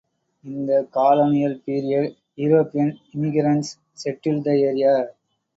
In the colonial period, European immigrants settled the area.